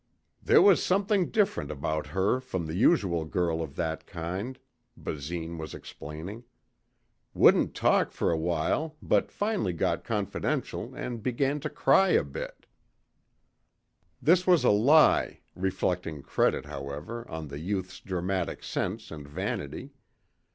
"There was something different about her from the usual girl of that kind," Basine was explaining. "Wouldn't talk for a while but finally got confidential and began to cry a bit." This was a lie, reflecting credit, however, on the youth's dramatic sense and vanity.